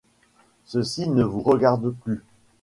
Ceci ne nous regarde plus.